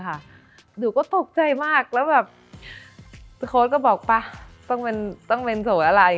หนูก็ตกใจมากแล้วแบบโค้ดก็บอกป่ะต้องเป็นโสดอะไร